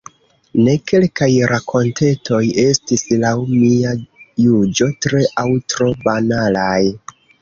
Ne, kelkaj rakontetoj estis laŭ mia juĝo tre aŭ tro banalaj.